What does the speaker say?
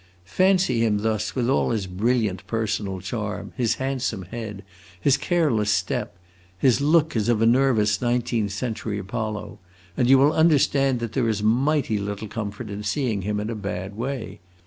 Fancy him thus with all his brilliant personal charm, his handsome head, his careless step, his look as of a nervous nineteenth century Apollo, and you will understand that there is mighty little comfort in seeing him in a bad way.